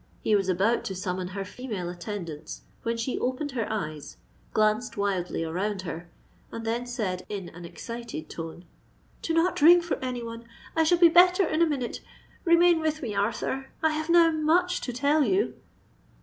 He was about to summon her female attendants, when she opened her eyes, glanced wildly around her, and then said in an excited tone, "Do not ring for any one,—I shall be better in a minute—remain with me, Arthur,—I have now much to tell you!"